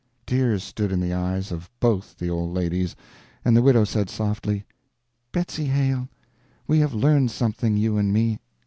Tears stood in the eyes of both the old ladies and the widow said, softly: "Betsy Hale, we have learned something, you and me."